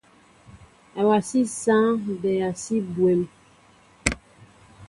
Awasí sááŋ bɛa si bwéém.